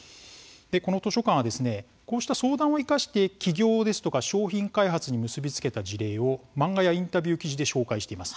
この図書館は、こうした相談を生かして起業ですとか商品開発に結び付けた事例を漫画やインタビュー記事で紹介しています。